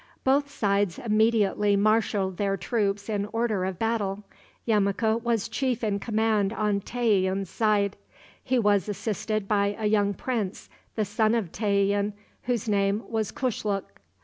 Both sides immediately marshaled their troops in order of battle. Yemuka was chief in command on Tayian's side. He was assisted by a young prince, the son of Tayian, whose name was Kushluk.